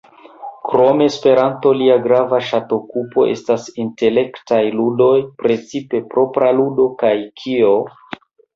Krom Esperanto, lia grava ŝatokupo estas intelektaj ludoj, precipe "Propra ludo" kaj "Kio?